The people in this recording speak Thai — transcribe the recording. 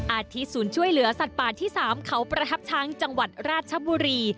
อาทิตย์ศูนย์ช่วยเหลือสัตว์ป่าที่๓เขาประทับช้างจังหวัดราชบุรี